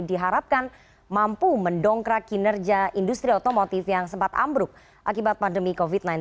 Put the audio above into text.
diharapkan mampu mendongkrak kinerja industri otomotif yang sempat ambruk akibat pandemi covid sembilan belas